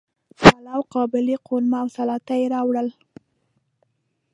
پلاو، قابلی، قورمه او سلاطه یی راوړل